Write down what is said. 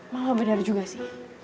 mama bener juga sih